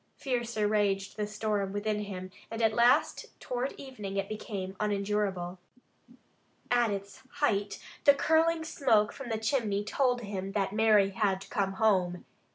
Fiercer raged the storm within him and at last toward evening it became unendurable. At its height the curling smoke from the chimney told him that Mary had come home.